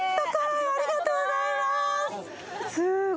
いありがとうございます